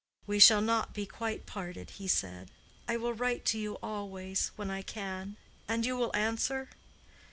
"We shall not be quite parted," he said. "I will write to you always, when I can, and you will answer?"